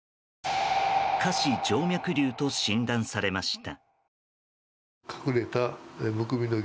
下肢静脈瘤と診断されました。